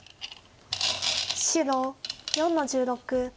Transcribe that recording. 白４の十六。